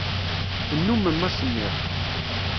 Tennummem asemmiḍ.